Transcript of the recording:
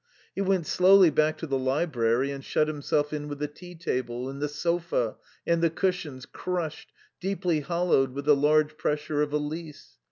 He went slowly back to the library and shut himself in with the tea table, and the sofa, and the cushions crushed, deeply hollowed with the large pressure of Elise.